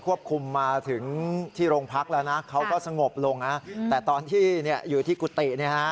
คุมมาถึงที่โรงพักแล้วนะเขาก็สงบลงนะแต่ตอนที่อยู่ที่กุฏิเนี่ยฮะ